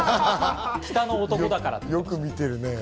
北の男だからと。